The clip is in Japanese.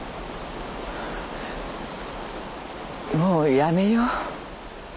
もうやめよう。